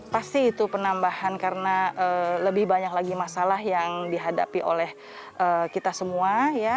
pasti itu penambahan karena lebih banyak lagi masalah yang dihadapi oleh kita semua